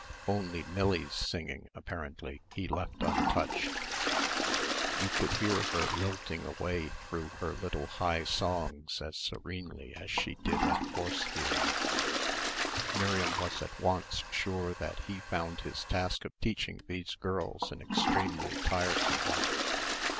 Only Millie's singing, apparently, he left untouched. You could hear her lilting away through her little high songs as serenely as she did at Vorspielen. Miriam was at once sure that he found his task of teaching these girls an extremely tiresome one.